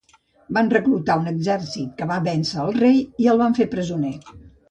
Van reclutar un exèrcit que va vèncer el rei i el va fer presoner.